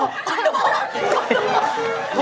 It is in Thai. ครับพวก